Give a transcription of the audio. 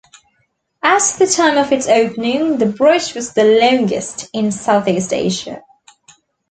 At the time of its opening, the bridge was the longest in Southeast Asia.